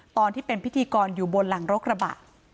ตอนที่เป็นพิธีกรอยู่บนหลังรถกระบะ